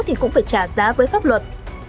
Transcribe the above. thì cũng phải trả giá với pháp luật